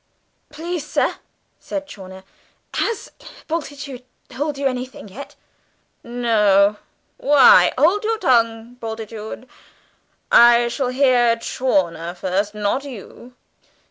"Please, sir," said Chawner, "has Bultitude told you anything yet?" "No, why? Hold your tongue, Bultitude. I shall hear Chawner now not you!"